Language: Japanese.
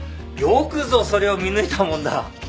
よくぞそれを見抜いたもんだ。